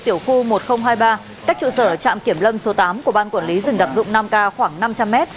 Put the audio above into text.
tiểu khu một nghìn hai mươi ba cách trụ sở trạm kiểm lâm số tám của ban quản lý rừng đặc dụng nam ca khoảng năm trăm linh m